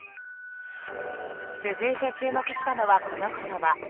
続いて注目したのはこの言葉。